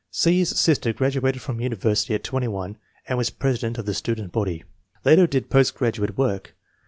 C.'s sister graduated from university at 21 and was president of the student body. Later did post gradu ate work.